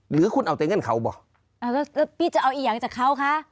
หรือคุณเอาแต่เงินเขาป่ะอ่าแล้วแล้วพี่จะเอาอีกอย่างจากเขาคะ